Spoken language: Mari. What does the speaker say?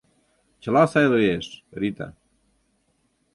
Чыла сай лиеш, Рита.